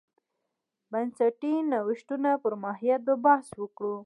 بنسټي نوښتونو پر ماهیت به بحث وکړو.